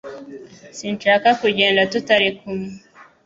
Sinshaka kugenda tutari kumwe